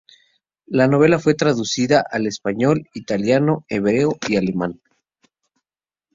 La novela fue traducida al español, italiano, hebreo y alemán.